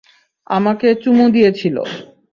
আমাকে চুমু দিয়েছিল।